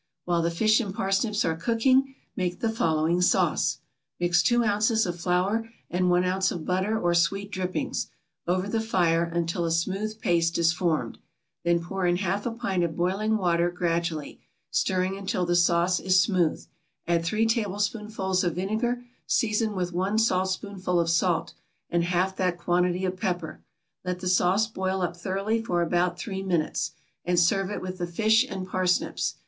While the fish and parsnips are cooking make the following sauce: mix two ounces of flour and one ounce of butter or sweet drippings, over the fire until a smooth paste is formed; then pour in half a pint of boiling water gradually, stirring until the sauce is smooth, add three tablespoonfuls of vinegar, season with one saltspoonful of salt, and half that quantity of pepper; let the sauce boil up thoroughly for about three minutes, and serve it with the fish and parsnips.